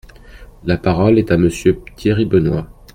La parole est à Monsieur Thierry Benoit.